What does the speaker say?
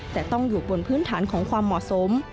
แต่ต้องอยู่บนพื้นฐานของความเหมาะสม